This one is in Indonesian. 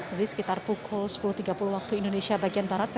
jadi sekitar pukul sepuluh tiga puluh waktu indonesia bagian barat